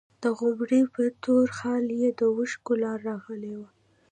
د غومبري په تور خال يې د اوښکو لاره راغلې وه.